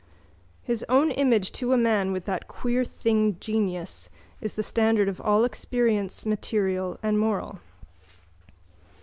_ —His own image to a man with that queer thing genius is the standard of all experience, material and moral.